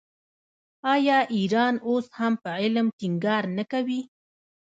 آیا ایران اوس هم په علم ټینګار نه کوي؟